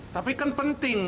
tapi kan penting